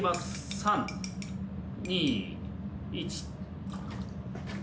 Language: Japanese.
３２１。